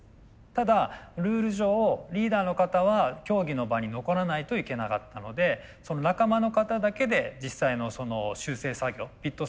ただルール上リーダーの方は競技の場に残らないといけなかったので仲間の方だけで実際の修正作業ピット作業を任せたと。